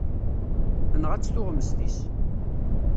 Tenɣa-tt tuɣmest-is.